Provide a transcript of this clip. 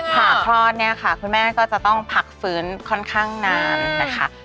ผ่าคลอดคุณแม่ก็จะต้องผลักฝืนค่อนข้างนานนะคะ